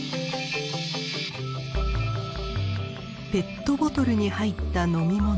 ペットボトルに入った飲み物５００ｍｌ。